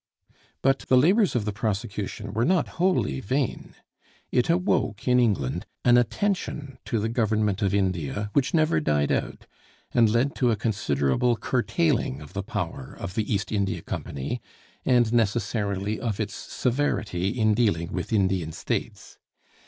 But the labors of the prosecution were not wholly vain. It awoke in England an attention to the government of India which never died out, and led to a considerable curtailing of the power of the East India Company, and necessarily of its severity, in dealing with Indian States.